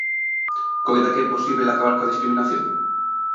Coida que é posíbel acabar coa discriminación?